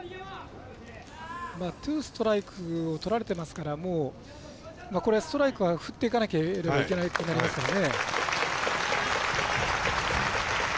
ツーストライクをとられてますからもうストライクを振っていかなければいけないですからね。